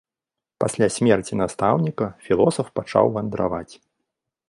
Пасля смерці настаўніка філосаф пачаў вандраваць.